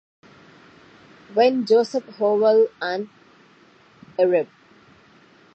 When Joseph Howell and Irb.